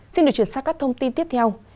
xin được truyền sát các thông tin tiếp theo